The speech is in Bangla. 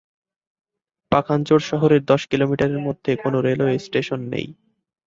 পাখানজোড় শহরের দশ কিলোমিটারের মধ্যে কোনো রেলওয়ে স্টেশন নেই।